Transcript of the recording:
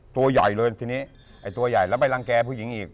ตัวใหญ่เลยทีนี้ไอ้ตัวใหญ่แล้วไปรังแก่ผู้หญิงอีก